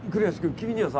君にはさ